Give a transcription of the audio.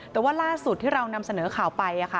แต่ว่าล่าสุดที่เรานำเสนอข่าวไป